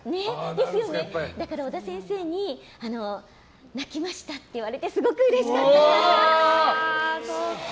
だから尾田先生に泣きましたって言われてすごくうれしかったです。